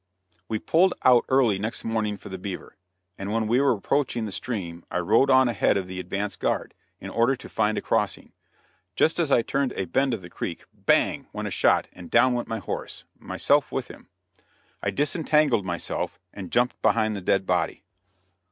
We pulled out early next morning for the Beaver, and when we were approaching the stream I rode on ahead of the advance guard, in order to find a crossing. Just as I turned a bend of the creek, "bang!" went a shot, and down went my horse myself with him. I disentangled myself, and jumped behind the dead body.